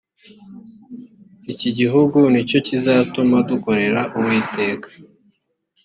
ikigihugu ni cyo kizatuma dukorera uwiteka.